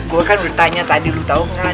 gue kan udah tanya tadi lo tau gak nih